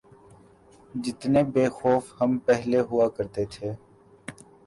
جتنے بے خوف ہم پہلے ہوا کرتے تھے۔